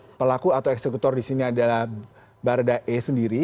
nah pelaku atau eksekutor di sini adalah barada e sendiri